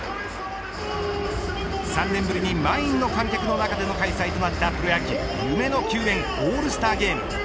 ３年ぶりに満員の観客の中での開催となったプロ野球夢の球宴、オールスターゲーム。